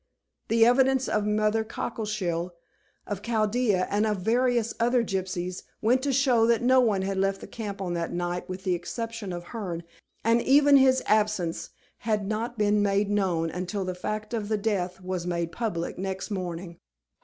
The evidence of Mother Cockleshell, of Chaldea, and of various other gypsies, went to show that no one had left the camp on that night with the exception of Hearne, and even his absence had not been made known until the fact of the death was made public next morning.